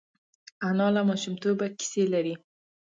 انا له ماشومتوبه کیسې لري